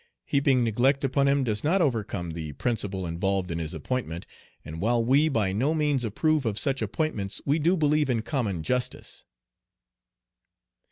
Heaping neglect upon him does not overcome the principle involved in his appointment, and while we by no means approve of such appointments we do believe in common justice."